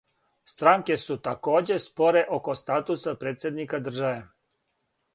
Странке се такође споре око статуса председника државе.